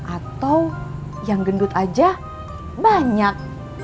atau yang gendut aja banyak